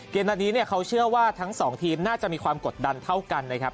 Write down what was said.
อันนี้เขาเชื่อว่าทั้งสองทีมน่าจะมีความกดดันเท่ากันนะครับ